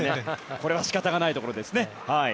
これは仕方がないところですね。